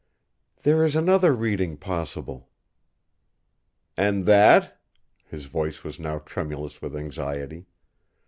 "There is another reading possible!" "And that?" His voice was now tremulous with anxiety.